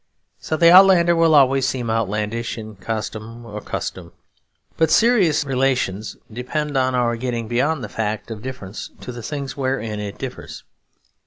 So the outlander will always seem outlandish in custom or costume; but serious relations depend on our getting beyond the fact of difference to the things wherein it differs.